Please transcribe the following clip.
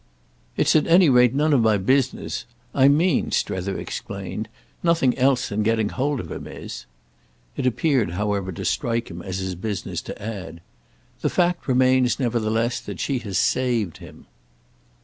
"It's at any rate none of my business. I mean," Strether explained, "nothing else than getting hold of him is." It appeared, however, to strike him as his business to add: "The fact remains nevertheless that she has saved him."